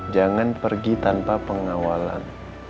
jangan pergi tanpa pengawalan